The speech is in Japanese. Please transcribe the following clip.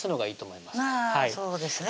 あぁそうですね